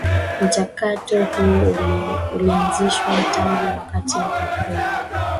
Mchakatp huo ulianzishwa tangu wakati wa Kampeni